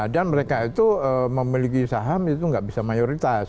dan mereka itu memiliki saham itu nggak bisa mayoritas